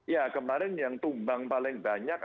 ya kemarin yang tumbang paling banyak